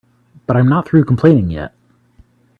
But I'm not through complaining yet.